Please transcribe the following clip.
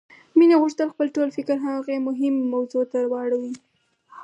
مينې غوښتل خپل ټول فکر هغې مهمې موضوع ته واړوي.